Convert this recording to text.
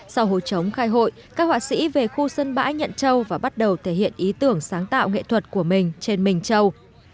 sau hồi chống khai hội các họa sĩ về khu sân bãi nhận châu và bắt đầu thể hiện ý tưởng sáng tạo nghệ thuật của mình trên mình châu